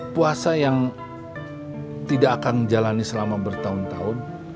puasa yang tidak akan jalani selama bertahun tahun